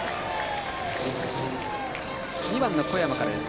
２番の小山からです。